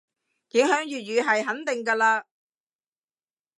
影響粵語係肯定嘅嘞